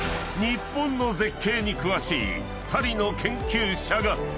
［日本の絶景に詳しい２人の研究者が］